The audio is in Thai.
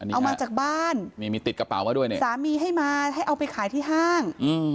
เอามาจากบ้านซามีให้มาขายไปขายที่ห้าง